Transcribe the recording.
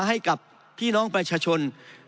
ให้กับพี่น้องประชาชน